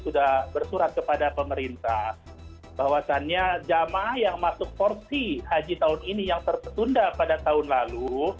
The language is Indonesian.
sudah bersurat kepada pemerintah bahwasannya jamaah yang masuk porsi haji tahun ini yang tertunda pada tahun lalu